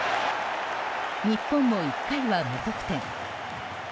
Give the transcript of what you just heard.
日本も１回は無得点。